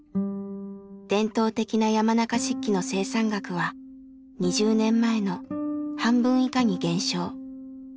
伝統的な山中漆器の生産額は２０年前の半分以下に減少。